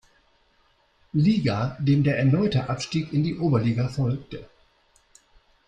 Liga, dem der erneute Abstieg in die Oberliga folgte.